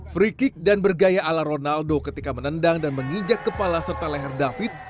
free kick dan bergaya ala ronaldo ketika menendang dan menginjak kepala serta leher david